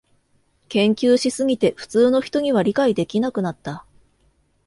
研究しすぎて普通の人には理解できなくなった